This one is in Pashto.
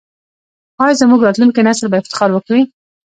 آیا زموږ راتلونکی نسل به افتخار وکړي؟